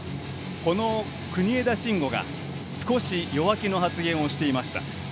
この国枝慎吾が少し弱気の発言をしていました。